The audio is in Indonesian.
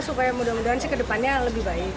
supaya mudah mudahan sih ke depannya lebih baik